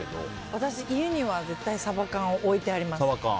私、家には絶対サバ缶を置いてあります。